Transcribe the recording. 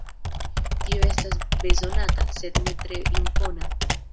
Tio estas bezonata, sed ne tre impona.